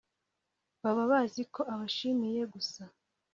Baba bazi ko ubashimiye gusa